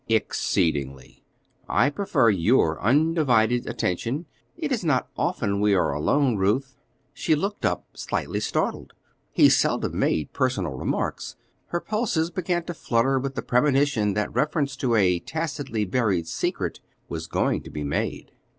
"Exceedingly. I prefer your undivided attention; it is not often we are alone, Ruth." She looked up slightly startled; he seldom made personal remarks. Her pulses began to flutter with the premonition that reference to a tacitly buried secret was going to be made.